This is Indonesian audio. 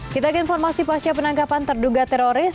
kita ke informasi pasca penangkapan terduga teroris